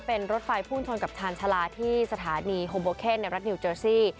เป็นรถไฟพุ่งชนกับชาญชาลาที่สถานีโฮโบเคนในรัฐนิวเจอร์ซี่